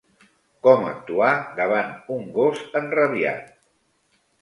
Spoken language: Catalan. Com actuar davant un gos enrabiat.